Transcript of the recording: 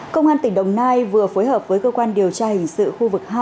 công an tỉnh đồng nai vừa phối hợp với cơ quan điều tra hình sự khu vực hai